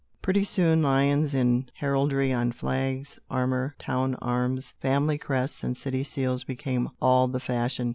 Pretty soon lions in heraldry, on flags, armor, town arms, family crests and city seals became all the fashion.